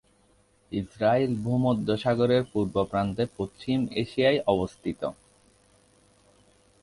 Israel ভূমধ্যসাগরের পূর্ব প্রান্তে পশ্চিম এশিয়ায় অবস্থিত।